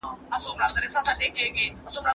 پاڼه په رګونو کې هیڅ نه لري.